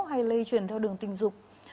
hay lây chuyển theo đường tình dục